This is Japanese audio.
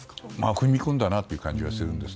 踏み込んだなという感じがするんです。